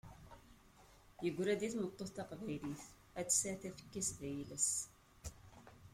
Yegra-d i tmeṭṭut taqbaylit, ad tesεu tafekka-s d ayla-s.